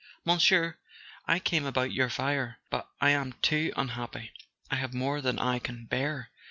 "Monsieur, I came about your fire; but I am too unhappy. I have more than I can bear."